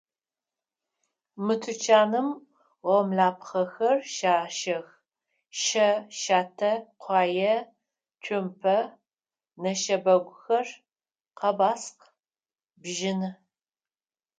Мы тучаным гъомлапхъэхэр щащэх: щэ, щатэ, къуае, цумпэ, нэшэбэгухэр, къэбаскъ, бжьыны.